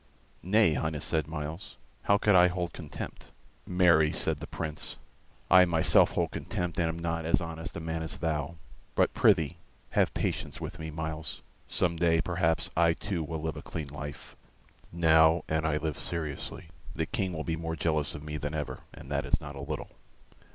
"Nay, Highness," said Myles. "How could I hold contempt?" "Marry," said the Prince, "I myself hold contempt, and am not as honest a man as thou. But, prithee, have patience with me, Myles. Some day, perhaps, I too will live a clean life. Now, an I live seriously, the King will be more jealous of me than ever, and that is not a little.